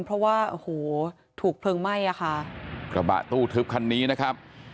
เพราะว่าโอ้โหถูกเพลิงไหม้อ่ะค่ะกระบะตู้ทึบคันนี้นะครับ